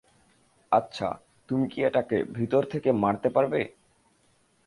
আচ্ছা, তুমি কি এটাকে ভিতর থেকে মারতে পারবে?